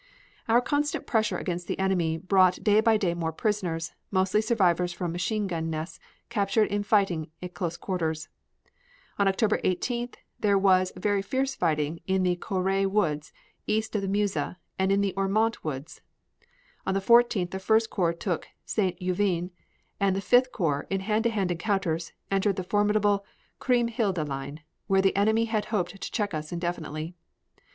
Our constant pressure against the enemy brought day by day more prisoners, mostly survivors from machine gun nests captured in fighting at close quarters. On October 18th there was very fierce fighting in the Caures Woods east of the Meuse and in the Ormont Woods. On the 14th the First Corps took St. Juvin, and the Fifth Corps, in hand to hand encounters, entered the formidable Kriemhilde line, where the enemy had hoped to check us indefinitely.